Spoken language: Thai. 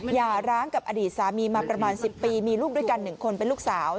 อย่าร้างกับอดีตสามีมาประมาณ๑๐ปีมีลูกด้วยกัน๑คนเป็นลูกสาว